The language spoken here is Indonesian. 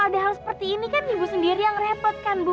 ada hal seperti ini kan ibu sendiri yang repot kan bu